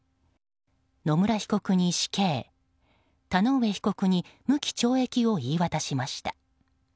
野村被告に死刑田上被告に無期懲役を言い渡しました。